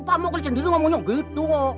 pak mokri sendiri ngomongnya begitu